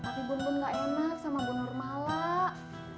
tapi bun bun gak enak sama bunur malak